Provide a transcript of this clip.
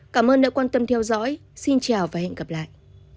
cảm ơn các bạn đã theo dõi xin chào và hẹn gặp lại